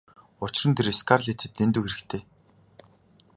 Учир нь тэр Скарлеттад дэндүү хэрэгтэй.